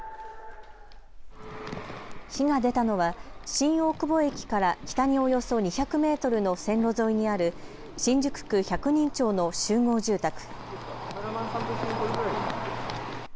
火が出たのは新大久保駅から北におよそ２００メートルの線路沿いにある新宿区百人町の集合住宅。